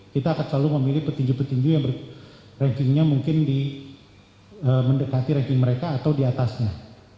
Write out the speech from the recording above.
kita akan selalu memilih petinju petinju yang rankingnya mungkin mendekati ranking mereka atau diatasnya